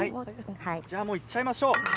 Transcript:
もういっちゃいましょう。